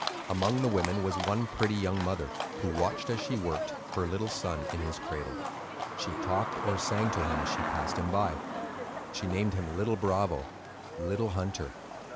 Among the women was one pretty young mother, who watched, as she worked, her little son in his cradle. She talked or sang to him as she passed him by. She named him "Little Bravo," "Little Hunter."